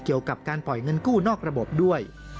เกี่ยวกับการปล่อยเงินกู้นอกระบบด้วย